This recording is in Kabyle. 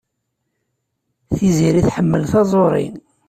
Tiziri tḥemmel taẓuri.